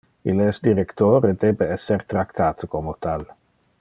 Ille es director e debe esser tractate como tal.